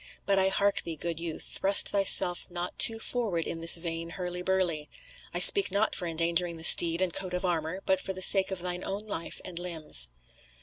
But hark thee, good youth, thrust thyself not too forward in this vain hurly burly. I speak not for endangering the steed and coat of armour, but for the sake of thine own life and limbs."